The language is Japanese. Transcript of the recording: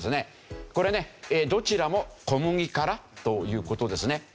これねどちらも小麦からという事ですね。